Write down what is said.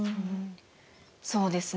そうですね。